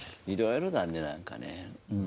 いろいろだねなんかね。